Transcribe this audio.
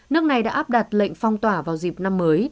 nước này đã áp đặt lệnh phong tỏa vào dịp năm mới